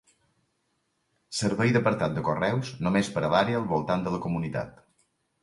Servei d'apartat de correus només per a l'àrea al voltant de la comunitat.